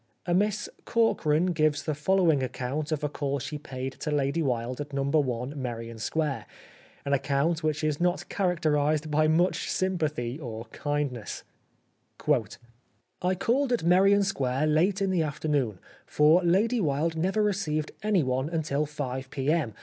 A Miss Corkran gives the following account of a call she paid to Lady Wilde at No. i Merrion Square, an account which is not characterised by much sympathy or kindness :—" I called at Merrion Square late in the after noon, for Lady Wilde never received anyone until 5 P.M.